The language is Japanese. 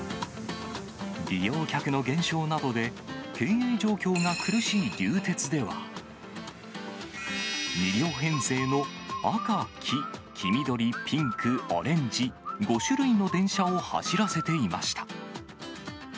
利用客の減少などで、経営状況が苦しい流鉄では、２両編成の赤、黄、黄緑、ピンク、オレンジ、５種類の電車を走らせていました。